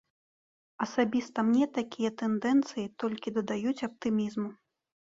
Асабіста мне такія тэндэнцыі толькі дадаюць аптымізму.